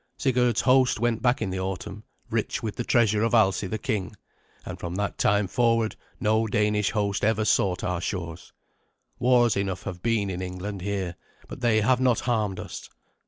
Sigurd's host went back in the autumn, rich with the treasure of Alsi the king; and from that time forward no Danish host ever sought our shores. Wars enough have been in England here, but they have not harmed us.